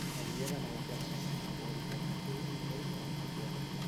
Hauria d'anar a la plaça de Sant Gregori Taumaturg número setanta-quatre.